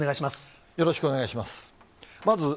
よろしくお願いします。